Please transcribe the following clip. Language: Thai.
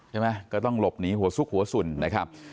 ก็ต้องหลบหนีหัวซุกหัวสุ่นนะครับ